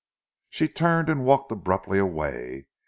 She turned and walked abruptly away.